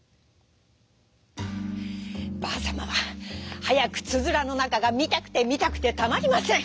ばあさまははやくつづらのなかがみたくてみたくてたまりません。